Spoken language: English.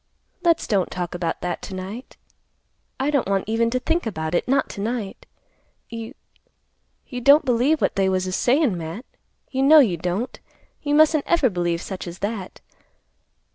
"Let's don't talk about that to night. I don't want even to think about it, not to night. You—you don't believe what they was a sayin', Matt; you know you don't. You mustn't ever believe such as that.